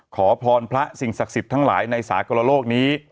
ขอพรพระสิ่งศักดิ์สิทธิ์ทั้งหลายในสากลโลกนี้